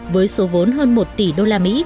với số vốn hơn một tỷ usd